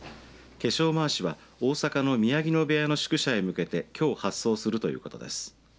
化粧まわしは大阪の宮城野部屋の宿舎へ向けてきょう発送するということです。